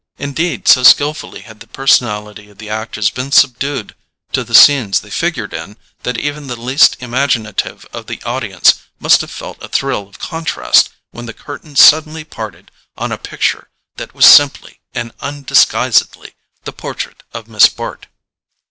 Indeed, so skilfully had the personality of the actors been subdued to the scenes they figured in that even the least imaginative of the audience must have felt a thrill of contrast when the curtain suddenly parted on a picture which was simply and undisguisedly the portrait of Miss Bart.